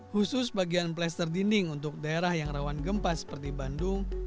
khusus bagian plaster dinding untuk daerah yang rawan gempa seperti bandung